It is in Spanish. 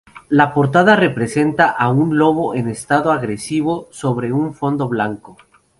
La Portada presenta a un"Lobo" en un estado agresivo sobre un fondo blanco.